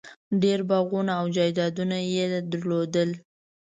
ډېر باغونه او جایدادونه یې لرل.